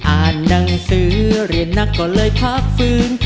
อ่านหนังสือเรียนนักก็เลยพักฟื้น